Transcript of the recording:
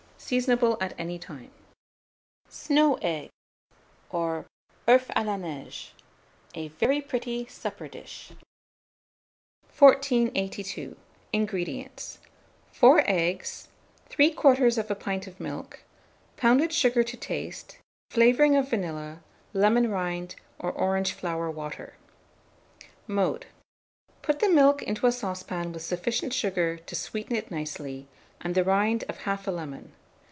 Seasonable at any time. SNOW EGGS, or OEUFS A LA NEIGE. (A very pretty Supper Dish.) 1482. INGREDIENTS. 4 eggs, 3/4 pint of milk, pounded sugar to taste, flavouring of vanilla, lemon rind, or orange flower water. Mode. Put the milk into a saucepan with sufficient sugar to sweeten it nicely, and the rind of 1/2 lemon.